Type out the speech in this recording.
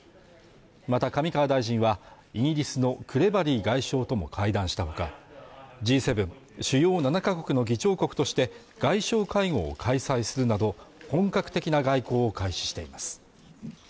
また上川大臣はイギリスのクレバリー外相とも会談したほかＧ７＝主要７か国の議長国として外相会合を開催するなど本格的な外交を開始しています